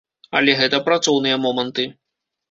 Але гэта працоўныя моманты.